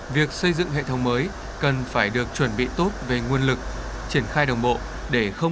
việc xây dựng hệ thống mới cần phải được chuẩn bị tốt về nguồn lực triển khai đồng bộ để không